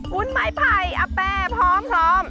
คุณไม้ไผ่อาแป้พร้อม